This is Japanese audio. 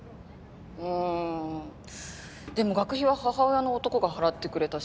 んでも学費は母親の男が払ってくれたし。